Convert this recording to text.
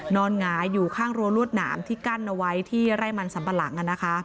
หงายอยู่ข้างรั้วรวดหนามที่กั้นเอาไว้ที่ไร่มันสัมปะหลัง